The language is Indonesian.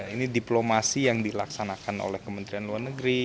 ini diplomasi yang dilaksanakan oleh kementerian luar negeri